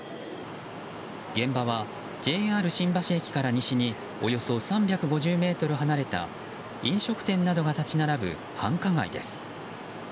現場はＪＲ新橋駅から西におよそ３５０ｍ離れた飲食店などが立ち並ぶ繁華街です。